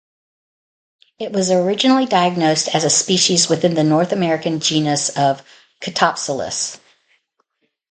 It was originally diagnosed as a species within the North American genus of "Catopsalis".